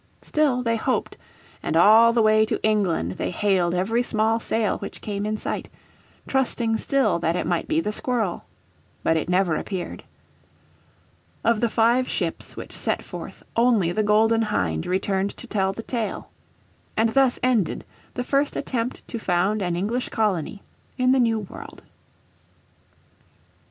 Still they hoped, and all the way to England they hailed every small sail which came in sight, trusting still that it might be the Squirrel. But it never appeared. Of the five ships which set forth only the Golden Hind returned to tell the tale. And thus ended the first attempt to found an English colony in the New World.